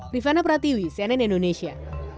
rifana pratiwi cnn indonesia